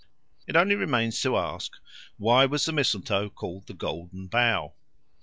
It only remains to ask, Why was the mistletoe called the Golden Bough?